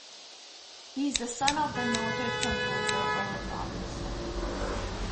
He is the son of the noted composer Earl Robinson.